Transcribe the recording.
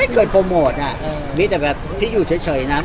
จะโปรโมทอะไรอีกหรือเปล่า